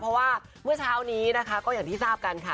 เพราะว่าเมื่อเช้านี้นะคะก็อย่างที่ทราบกันค่ะ